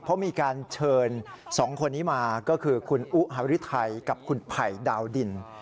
เพราะมีการเชิญ๒คนนี้มาก็คือคุณอุฮริไทยกับคุณไผ่ดาวดิน